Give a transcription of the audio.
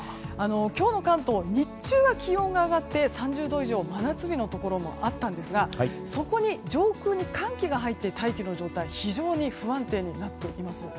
今日の関東日中は気温が上がって３０度以上、真夏日のところもあったんですがそこに上空に寒気が入って大気の状態が非常に不安定になっています。